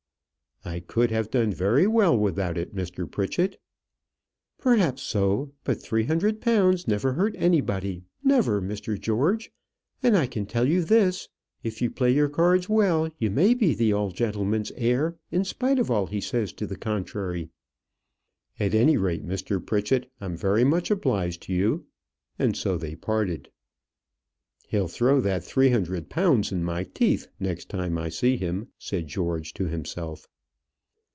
"I could have done very well without it, Mr. Pritchett." "Perhaps so; but three hundred pounds never hurt anybody never, Mr. George; and I can tell you this: if you play your cards well, you may be the old gentleman's heir, in spite of all he says to the contrary." "At any rate, Mr. Pritchett, I'm very much obliged to you:" and so they parted. "He'll throw that three hundred pounds in my teeth the next time I see him," said George to himself.